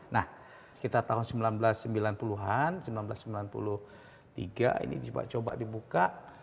nah sekitar tahun seribu sembilan ratus sembilan puluh an seribu sembilan ratus sembilan puluh tiga ini coba dibuka